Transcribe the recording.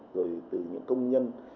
rồi từ những công nhân